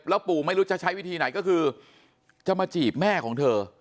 ปู่ไม่รู้จะใช้วิธีไหนก็คือจะมาจีบแม่ของเธอ